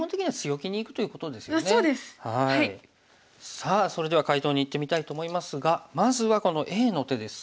さあそれでは解答にいってみたいと思いますがまずはこのＡの手です。